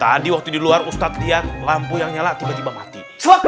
tadi waktu di luar ustadz lihat lampu yang nyala tiba tiba mati